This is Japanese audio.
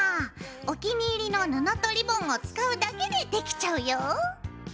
お気に入りの布とリボンを使うだけでできちゃうよ。